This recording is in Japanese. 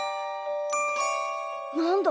何だ？